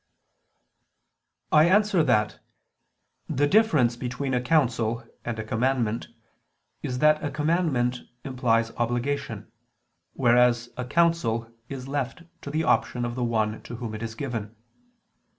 I answer that, The difference between a counsel and a commandment is that a commandment implies obligation, whereas a counsel is left to the option of the one to whom it is given.